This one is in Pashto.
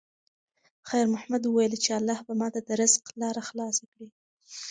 خیر محمد وویل چې الله به ماته د رزق لاره خلاصه کړي.